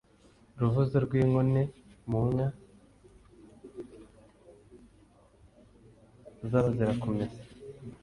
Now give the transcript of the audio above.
Ruvuzo rw'inkone mu nka z'Abazirakumesa